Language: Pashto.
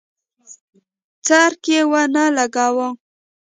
څرک یې ونه لګاوه.